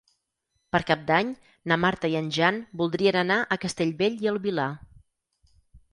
Per Cap d'Any na Marta i en Jan voldrien anar a Castellbell i el Vilar.